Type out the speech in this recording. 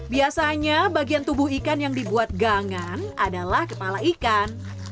biasanya bagian tubuh ikan yang dibuat gangan adalah kepala ikan